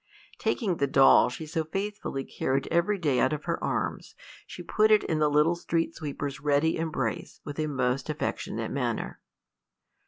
Taking the doll she so faithfully carried every day out of her arms, she put it in the little street sweeper's ready embrace with a most affectionate manner.